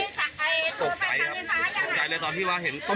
ตกใจครับตกใจเลยตอนที่เห็นปุ้ม